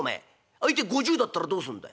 相手５０だったらどうすんだ？」。